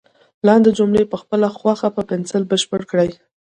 لاندې جملې په خپله خوښه په پنسل بشپړ کړئ.